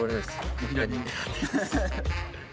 いきなり。